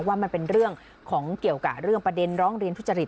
ว่ามันเป็นเรื่องของเกี่ยวกับเรื่องประเด็นร้องเรียนทุจริต